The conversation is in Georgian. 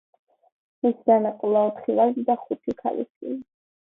მისგან ეყოლა ოთხი ვაჟი და ხუთი ქალიშვილი.